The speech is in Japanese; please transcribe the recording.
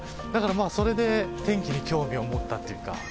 だからまあそれで天気に興味を持ったっていうか。